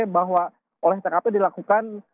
bahwa olah tkp dilakukan